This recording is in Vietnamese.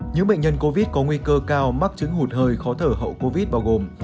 những bệnh nhân covid có nguy cơ cao mắc chứng hụt hơi khó thở hậu covid bao gồm